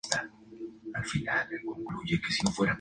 Ovario con ápice hirsuto.